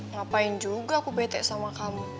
ngapain juga aku bete sama kamu